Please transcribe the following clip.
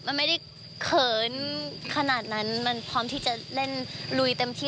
มันไม่ได้เขินขนาดนั้นมันพร้อมที่จะเล่นลุยเต็มที่